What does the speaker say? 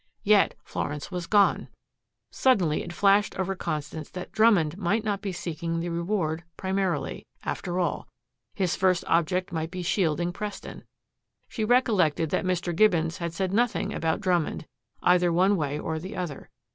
Yet Florence was gone! Suddenly it flashed over Constance that Drummond might not be seeking the reward primarily, after all. His first object might be shielding Preston. She recollected that Mr. Gibbons had said nothing about Drummond, either one way or the other.